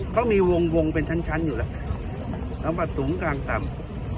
เขามีวงเป็นชั้นอยู่แล้วสมบัติสูงกลางต่ำ